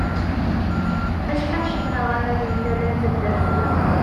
Acḥal cedheɣ aman n tala n taddart-nneɣ!